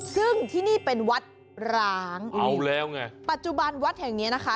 ซึ่งที่นี่เป็นวัดร้างเอาแล้วไงปัจจุบันวัดแห่งเนี้ยนะคะ